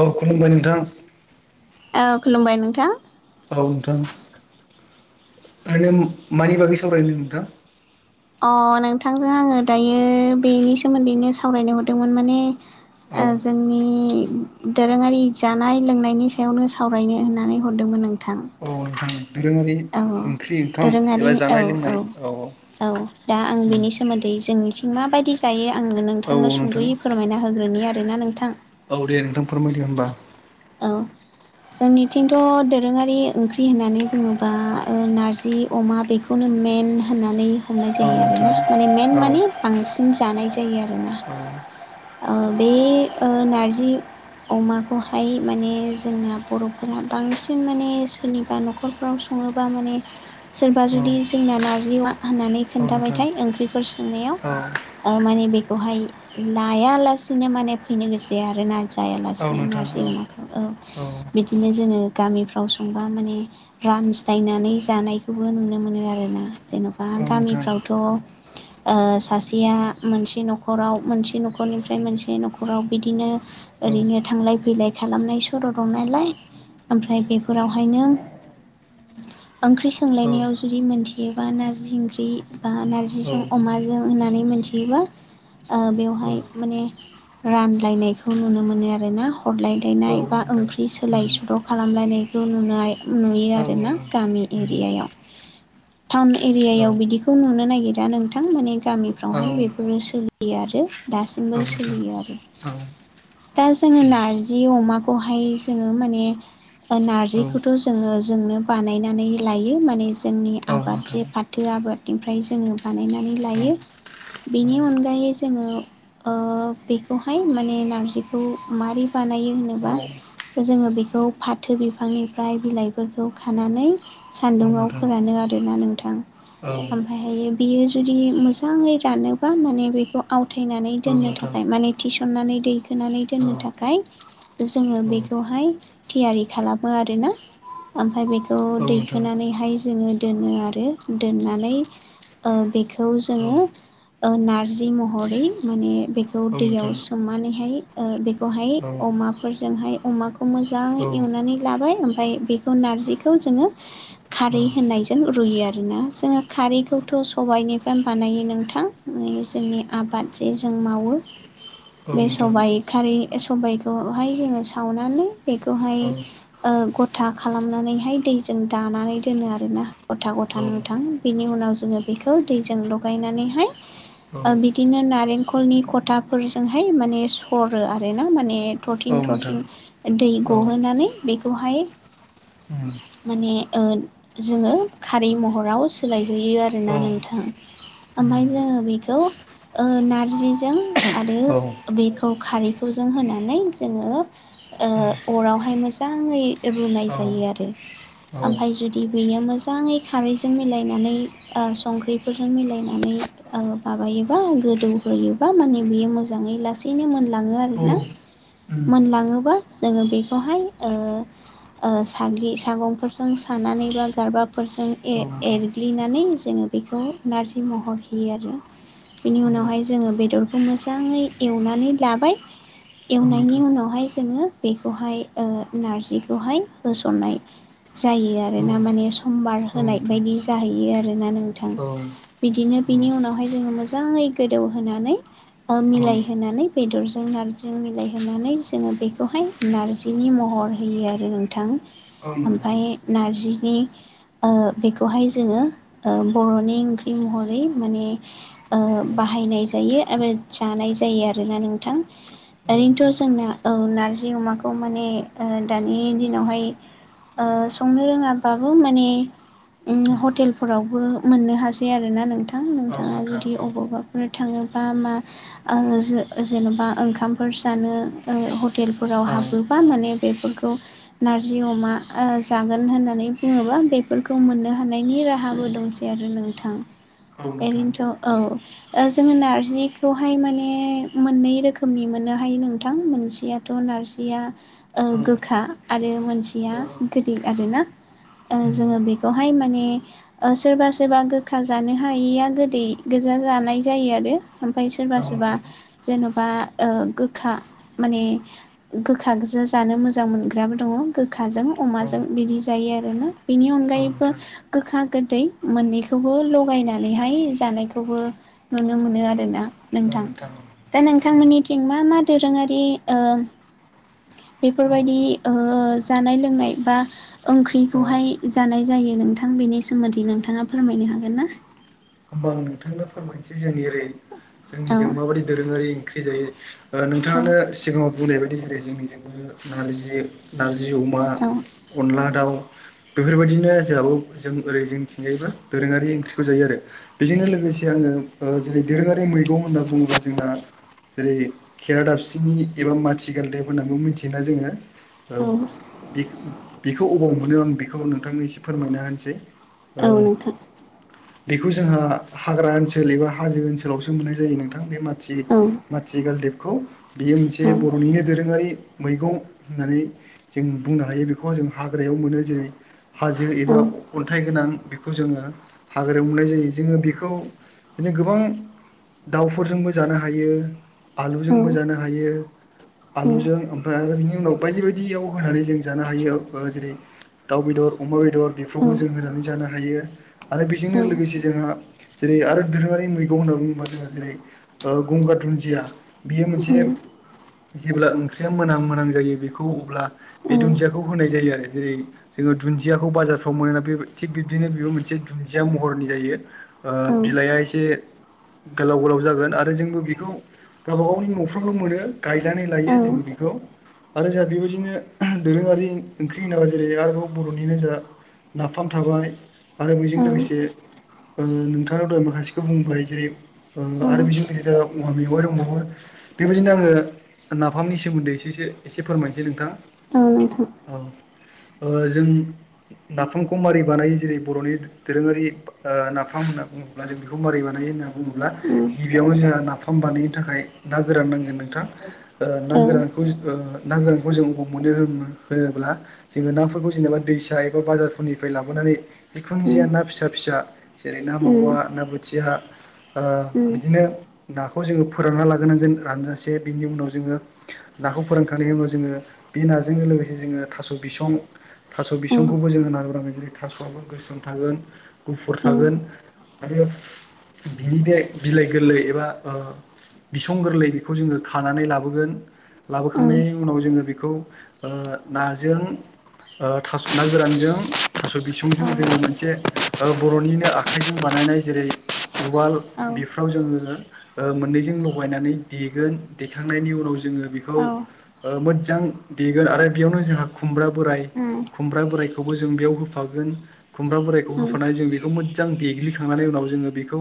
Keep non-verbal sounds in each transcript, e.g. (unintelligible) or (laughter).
औ खुलुमबाय नोंथां औ खुलुमबाय नोंथां औ नोंथां ओरैनो मानि बागै सावरायनो नोंथां? अ नोंथांजों आंङो दायो बेनि सोमोन्दैनो सावरायनो हरदोंमोन माने औ ओ जोंनि दोरोङारि जानाय लोंनायनि सायावनो सावरायनो होननानै हरदोंमोन। नोंथां औ नोंथां दोरोङारि औ ओंख्रि ओंखाम दोरोङारि एबा औ जानाय लोंनाय औ औ औ दा आं बेनि सोमोन्दै जोंनिथिं माबाय दि जायो आंनो औ औ नोंथांनो नोंथां सुंद'यै फोरमायना होग्रोनि आरोना नोंथां। औ दे नोंथां फोरमायदो होमबा औ जोंनिथिंथ' दोरोङारि ओंख्रि होननानै बुङोबा ओ नारजि अमा बेखौनो मेन होननानै हमनाय औ जायो नोंथां आरोना माने मेन औ माने बांसिन जानाय जायो आरोना औ ओ बे ओ नारजि अमाखौ फाय माने जोंना बर'फोरा बांसिन माने सोरनिबा न'खरफ्राव सङोबा माने सोरबा औ जुदि जोंना नारजि होननानै औ नोंथां खोन्थाबायथाय ओंख्रिफोर औ सोंनायाव माने बेखौहाय लायालासिनो माने फैनो गोसो जाया आरोना औ जायालासिनो नोंथां नारजि औ अमाखौ औ औ बिदिनो जोङो गामिफ्राव संबा माने रानज्लाय नानानै जानायखौबो नुनो मोनो आरो ना जेन'बा औ नोंथां गामिफ्रावथ' ओ सासेया मोनसे न'खराव मोनसे न'खरनिफ्राय मोनसे न'खराव बिदिनो उम ओरैनो थांलाय फैलाय खालामनाय सर' दं नालाय ओमफ्राय बेफोरावहायनो ओंख्रि सोंलायनायाव जुदि मोनथियोबा नार्जि ओंख्रि बा नारजिजों अमाजों होननानै मोन मोनथियो बा ओ बेवहाय माने रानलायनायखौ नुनो मोनो आरोना हरलाय गलायनाय बा ओंख्रि सोलाय सोल' खालामलायनायखौ नुनाय नुयो औ आरोना गामि उम एरिया आयाव टाउन औ एरियायाव बिदिखौ नुनो नागिरा नोंथां माने औ गामिफ्रावहाय बेफोरो सोलिया आरो दासिमबो औ नोंथां सोलियो आरो (inaudible) दा जोङो नारजि अमाखौहाय जोङो माने औ नारजिखौथ' जोङो जोंनो बानायनानै लायो माने जोंनि औ आबाद नोंथां जे फाथोआ आबादनिफ्राय जोङो बानायनानै औ लायो औ बेनि अनगायै जोङो बेखौहाय माने नारजिखौ मारोरै बानायो औ होनोब्ला। जोङो बेखौ फाथो बिफांनिफ्राय बिलाइफोरखौ खानानै सान्दुुंआव नोंथां फोरानो गादेरना नोंथां औ ओमफ्रायहायो बेयो जुदि मोजाङै रानोबा माने बेखौ आवथायनानै औ दोननो नोंथां थाखाय माने थिसननानै दैखोनानै औ दोननो थाखाय थाखाय जोङो औ बेखौहाय थियारि खालामो आरोना ओमफ्राय बेखौ औ नोंथां दैखोनानैहाय जोङो दोनो आरो दोननानै बेखौ औ जोङो नारजि महरै माने बेखौ औ दैयाव नोंथां सोमनानैहाय बे बेहाय औ नोंथां औ अमाफोरजोंहाय अमाखौ मोजाङै औ एवनानै लाबाय ओमफ्राय बेखौ नारजिखौ जोङो खारै होननायजों रुयो आरोना जोङो खारैखौथ' सबायनिफ्राय बानायो नोंथां जोंनि आबाद जे जों मावो बे सबाइ खारि सबायखौहाय जोङो सावनानै बेखौहाय गथा खालामनानैहाय दै दानानै दोनो आरोना गथा गथा नोंथां बेनि उनाव जोङो बेखौ दैजों लगायनानै हाय बिदिनो नारेंखलनि खथाफोरजोंहाय माने सरो आरो ना माने औ नोंथां दै औ गहोनानै बेखौहाय (inaudible) माने ओ जोङो खारै महराव सोलायहैयो उम आरोना औ नोंथां ओमफ्राय उम जोङो बेखौ नारजिजों आरो औ बेखौ खारैखौ जों होनानै जोङो ओ अरावहाय मोजाङै रुनाय जायो आरो ओमफ्राय जुदि बेयो मोजाङै खारैजों मिलायनानै संख्रिफोरजों मिलायनानै माबायोबा गोदौहोयोबा माने बियो मोजाङै लासैनो मोनलाङो आरो ना औ मोनलाङोबा जोङो बेखौहाय ओ सागलि सागंफोरजों सानानै बा गारबाफोरजों औ एरग्लिनानै जोङो बेखौ नारजि महर होयो आरो बेनि उनावहाय जोङो बेदरखौ मोजाङै एवनानै लाबाय उम औ नोंथां औ एवनायनि नोंथां उनावहाय जोङो बेखौहाय नारजिखौहाय होसननाय जायो आर औ ना माने समबार औ होनाय नोंथां बायदि जाहैयो आरोना नोंथां औ बिदिनो बिनि उनावहाय जोङो मोजाङै गोदौहोनानै औ औ नोंथां मिलायहोनानै बेदर ज जों नारजिजों मिलायहोनानै जोङो बेखौहाय नारजिनि महर होयो आरो नोंथां। औ नोंथां ओमफ्राय नारजिनि अ बेखौहाय जोङो ओ बर'नि ओंख्रि महरै माने ओ बा बाहायनाय जायो आरो जानाय जायो आरोना नोंथां। ओरैनोथ' जोंना औ नारजि अमाखौ माने दानि दिनावहाय ओ संनो रोङाबाबो माने हटेलफोरावबो मोननो हासै आरोना नोंथां। नोंथां औ नोंथाङा नोंथां जुदि अबावबाफोर थाङोबा मा ओ जो जेन'बा ओंखामफोर जानो ओ हटेलफोराव औ औ हाबोबा माने बे नारजि अमा जागोन होननानै बुङोबा बेफोरखौ मोननो हानायनि राहा खाबु दंसै आरो नोंथां। औ नोंथां ओरैनोथ' औ ओ जोङो नारजिखौहाय माने मोननै रोखोम रोखोमनि मोननो हायो नोंथां मोनसेयाथ' नारजिया औ गोखा आरो मोनसेया औ गोदै आरोना। ओ उम जोङो बेखौहाय माने ओ सोरबा सोरबा गोखा जानो हायिया गोदै जानाय जायो आरो ओमफाय सोरबा औ सोरबा नोंथां जेन'बा ओ गोखा माने गोखा गोजा जानो मोजां मोनग्राबो दङ गोखाजों औ अमाजों बिदि जायो आरोना बिनि अनगायैबो नोंथां गोखा गोदै मोननैखौबो लगाय नानै जानायखौबो नुनो मोनो आरोना नोंथां दा नोंथांमोननि औ थिं मा मा दोरोङारि ओ बेफोरबायदि ओ जानाय लोंनाय बा औ ओंख्रिखौहाय जानाय जायो। नोंथां बेनि सोमोन्दै नोंथाङा फोरमायनो हागोन ना? होमबा आं नोंथांनो फोरमायनोसै जोंनि ओरै औ जोंनिजों माबायदि दोरोङारि ओंख्रि जायो। औ नोंथाङानो सिगाङाव बुंनाय बायदि जेरै जोंनिजोंबो नारजि नारजि जि अमा, औ अनला दाउ बेफोरबायदिनो जोंहाबाव जों ओरै जों थिंजायबो दोरोङारि ओंख्रिखौ जायो आरो। बेजोंनो लोगोसे आङो जेरै दोरोङारि मैगं होनना बुङोब्ला जोंना जेरै खेरा दाबसिनि एबा माथिगालदेब होनांगौ मिथियोना जोङो। औ बेखौ अबाव मोनो आं बेखौ नोंथांनो एसे फोरमायना होनोसै। औ ओ नोंथां। बेखौ जोंहा हाग्रा ओनसोल एबा हाजो ओनसोलावसो मोननाय जायो नोंथां बे माथ औ थि-माथिगालदेबखौ बियो मोनसे औ बर'निनो दोरोङारि मैगं होननानै जों बुंनो हायो। बेखौ जों हाग्रायाव मोनो जेरै हाजो औ एबा अन्थाइ गोनां बेखौ जोङो हाग्रायाव मोननाय जायो। जोङो बेखौ बिदिनो गोबां दाउफोरजोंबो जानो हायो। औ आलुजोंबो जानो हायो आलुजों ओमफ्राय आरो बे उनाव बायदि बायदियाव होनानै जों जानो हायो। ओ जेरै दाउ बेदर, अमा बेदर बेदर बेफ्रावबो जों होनानै जानो हायो आरो बेजों लोगोसे जोंहा जेरै आरो दोरोङारि मैगं होनना बुङोबा जोंङो ओ जेरै ओ गंगार दुन्दिया। बेयो मोनसे जेब्ला ओंख्रिया मोनां मोनां जायो बेखौ अब्ला बे दुन्दियाखौ होनाय जायो आरो। जेरै जोङो दुन्दियाखौ बाजारफ्राव मोनो ना बे थिग बिब्दिनो बेबो मोनसे दुन्दिया महरनि जायो। ओ बिलाइआ एसे गोलाव गोलाव जागोन आरो जोंबो बेखौ गावबा गावनि न'फ्रावल' मोनो। गायनानै लायो जों बेखौ। आरो जोंहा बेबायदिनो दोरोङारि ओंख्रि होनांबा जेरै आरोबाव बर'निनो जोंहा नाफाम थाबाय। आरो बेजों उम औ लोगोसे ओं नोंथाङा दहाय माखासेखौ बुंबोबाय जेरै औ आरो बिदिनो गेजेराव औवा मेवाइ दंबावो बेबायदिनो आङो नाफामनि सोमोन्दै एसे एसे फोरमायनोसै नोंथां। औ नोंथां। औ ओ जों नाफामखौ मारै बानायो जेरै बर'नि दोरोङारि ओ नाफाम होन्ना बुङोब्ला जों बेखौ माबोरै बानायो होनना बुङोब्ला उम गिबियावनो जोंहा नाफ फाम बानायनो थाखाय ना गोरान नांगोन नोंथां ओ ना औ गोरानखौ जोङो ना गोनांखौ जों हबाव मोनो होनोब्ला जोङो नाफोरखौ जेनेबा दैसा एबा बाजारफोरनिफ्राय लाबोना जिखुनु उम जया ना फिसा फिसा जेरै ना मावा ना बोथिया ओ बिदिनो नाखौ जोङो फोरानना लागोनांगोन। रानजासे बिनि उनाव जोङो नाखौ फोरानखांनायनि उनाव जोङो बे नाजों जोङो थास' बिसं थास' उम औ औ औ बिसंखौबो जोङो (unintelligible) जेरै थास'आबो गोसोम थागोन, गुफ फुर उम थागोन आरो बिनि बे बिलाइ गोरलै एबा ओ बिसं गोरलै बेखौ जोङो खानानै लाबोगोन लाबोखांनायनि उनाव जोङो बेखौ ओ नाजों ओ थास' ना गोरानजों थास' बिसंजों औ औ जोङो मोनसे ओ बर'निनो आखाइजों बानायनाय जेरै उवाल औ बेफ्राव जोङो ओ मोननैजों लगा गायनानै देगोन देखांनायनि उनाव जोङो बेखौ मोजां देगोन आरो बेयावनो जोंहा खुमब्रा बोराय खुमब्रा बोरायखौबो जों बेयाव होफागोन खुमब्रा बोरायखौ होफानाय जों बे खौ मोदजां देग्लिखांनानै उनाव जोङो बेखौ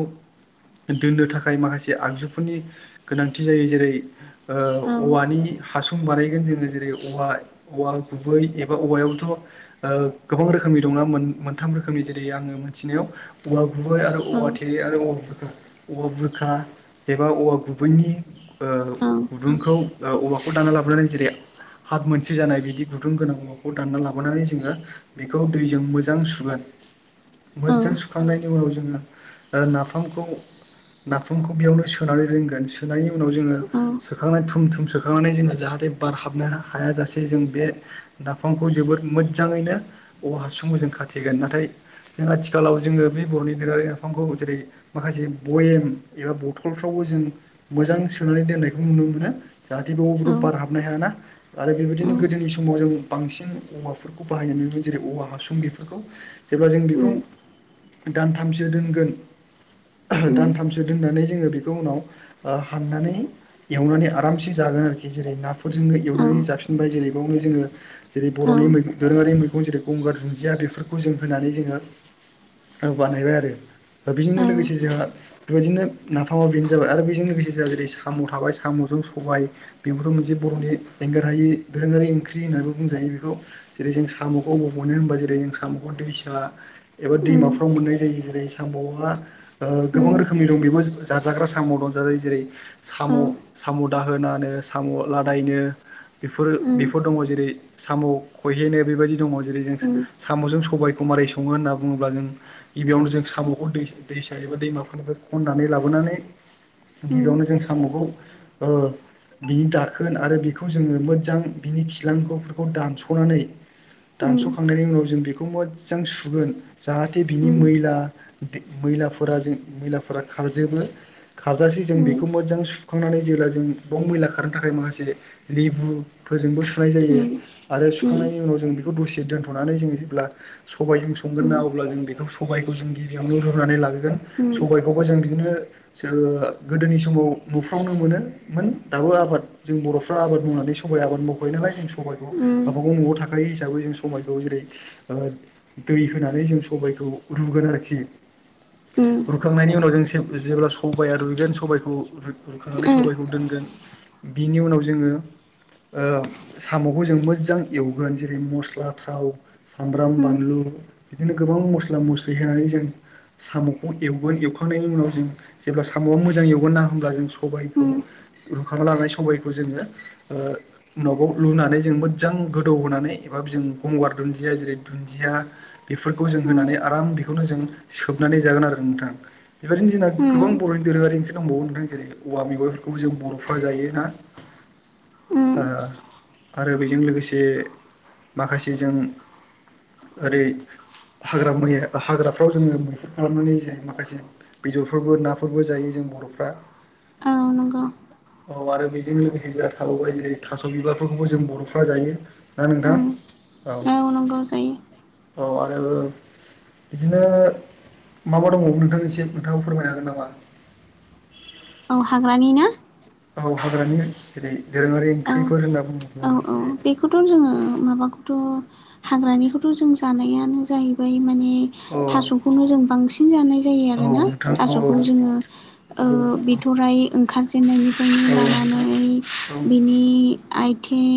दोननो थाखाय माखासे आगजुफोरनि गोनांथि जायो जेरै ओ औवानि हासुं बानायगोन जोङो जेरै औवा औवा गुबै एबा औवायावथ' ओ गोबां रोखोम नि दंना मोन-मोनथाम रोखोमनि जेरै आंङो मोनथिनायाव औवा गुबै आरो औवा थेरे आरो औवा बुर औवा बुरखा। एबा औवा गुबैनि ओ गुदुंखौ औवाखौ दाना लाबोनानै जेरै हाथ मोनसे जानाय बिदि गुदुं गोनां औवाखौ दानना लाबोनानै जोङो बेखौ दैजों मोजां सुगोन। (inaudible) मोजां सुखांनायनि उनाव जोङो ओ नाफामखौ नाफामखौ बेयावनो सोनानै दोनगोन सोनायनि उनाव जोंङो सोखांनानै थुम थुम सोखांनानै जोङो जाहाथे बारहाबनो हायाजासे जों बे निफामखौ जोबोद मोजाङैनो औवा हासुं मोजों खाथेगोन नाथाय जों आथिखालाव जोङो बे बर'नि दोरोङारि नाफामखौ जेरै माखासे बयेम एबा बथलफ्रावबो जों मोजां सोनानै दोननायखौ नुनो मोनो जाहाथे बे अ बार हाबनो हायाना। आरो औ बेबायदिनो गोदोनि समाव जों बांसिन औवाफोरखौ बाहायनाय नुयोमोन जेरै औवा हासुं बेफोरखौ। जेब्ला जों उम दानथामसो दोनगोन ओम दानथामसो दोननानै जोङो बेखौ उनाव ओ हाननानै एवनानै आरामसे जागोन आरोखि जेरै (unintelligible) औ एवनानै जाफिनबाय जेरै‌ बयावनो जोङो जेरै औ बर'नि मै दोरोङारि मै बेखौ जेरै गंगार दुन्दिया बेफोरखौ जों होनानै जोङो ओ बानायबाय आरो। दा बेजोंनो ओम लोगोसे जोंहा बेबायदिनो नाफामा बेनो जाबाय आरो बेजों लोगोसे जोंहा जेरै साम' थाबाय साम'जों सबाय बेफोरथ' मोनसे बर'नि एंगार हायि दोरोङारि ओंख्रि होन्नानबो बुंजायो बेखौ जेरै जों साम'खौ हबाव मोनो होनबा जेरै साम'खौ दैसा एबा दैमाफ्राव ओम मोननाय जायो जेरै सामब'आ ओ गोबां रोखोमनि दं बेबो जाजाग्रा साम' दंजायो जेरै साम' औ ओम साम' दाहोनानो साम'लादायनो बेफोर ओम बेफोर दंङ जेरै साम' खहेनो। बेबायदि दङ जेरै ओम साम'जों सबायखौ मारै सङो होनना बुङोब्ला जों गिबियावनो जों साम'खौ दै-दैसा एबा दैमाफोरनिफ्राय खननानै लाबोनानै ओम गिबियावनो जों साम'खौ ओ बिनि दाखोन आरो बेखौ जोङो मोजां बिनि खिलांगफोरखौ दानस'नानै ओम ओम दानस'खांनायनि उनाव जों बेखौ मोजां सुगोन जाहाथे बिनि ओम ओम मैला मैलाफोरा जों मैलाफोरा खारजोबो खारजासे जों बेखौ मोजां सुखांनानै जेब्ला जों ब मैला खारनो थाखाय माखासे लेबुफोरजोंबो खुंनाय जायो ओम आरो सुखांनायनि उनाव जों बेखौ दसे दोनथ'नानै जों जेब्ला सबायजों संगोन ना अब्ला जों बेखौ सबायखौ जों गिबियावनो रुानै लाबोगोन सबायखौबो जों बिदिनो गोदोनि समाव न'फ्रावनो मोनोमोन दाबो आबाद जों बर'फ्रा आबाद मावनानै स'बाय आबाद माखायो नालाय सबायखौ गावबागाव न'आव थाखानाय हिसाबै जों सबायखौ जेरै दै होनानै जों सबाइखौ रुगोन आरोखि ओम ओम रुखांनायनि उनाव जों जेब्ला सबाइआ रुइगोन सबायखौ रुखांनानै सबाइखौ दोनगोन बिनि उनाव जोंङो साम'खौ जों मोजां एवगोन जेरै मस्ला थाव सामब्राम बानलु बिदिनो गोबां मस्ला मस्लि होनानै जों साम'खौ एवगोन एवखांनायनि उनाव जों जेब्ला साम'आ मोजां एवगोन ना होमब्ला जों सबायखौ रुखांना लानाय सबायखौ जोङो (unintelligible) रुनानै जों मोजां गोदौ होनानै एबा जों गंगार दुन्दिया जेरै दुन्दिया बेफोरखौ जों होनानै आराम बेखौनो जों सोबनानै जागोन आरो नोंथां बेबायदिनो जोंना गोबां बर'नि दोरोङारि ओंख्रिफोर दंबावो जेरै औवा मेवाआइफोरखौ जों बर'फ्रा जायो ना दा आरो बेजों लोगोसे माखासेजों ओरै (inaudible) हाग्रा मैया हाग्राफ्राव जोंङो मैहुर खालामनानै जायो माखासे बेदरफोरबो नाफोरबो जायो जों बर' (unintelligible) औ नंगौ औ आरो बेजों लोगोसे जोंहा थाबावबाय जेरै थास' बिबारफोरखौबो जों बर'फ्रा जायो ना नोंथां? औ नांगौ जायो। औ आरो बिदिनो मा मा दंबावो नोंथां एसे नोंथाङा फोरमायनो हागोन नामा औ हाग्रानि ना औ हाग्रानि जेरै दोरोङारि औ ओंख्रिफोर होनना औ बुङोब्ला औ जेरै बेखौथ' जोंङो माबाखौथ‌ हाग्रानिखौथ' जों जानायानो जाहैबाय माने मे औ थास'खौनो जों बांसिन जानाय जायो औ आरोना नोंथां औ थास'खौ जोंङो औ बिथरराय ओंखारजेनन्नायनिफ्रायनो औ नोंथां लानानै औ बिनि आइ